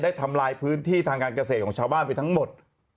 ทำลายพื้นที่ทางการเกษตรของชาวบ้านไปทั้งหมด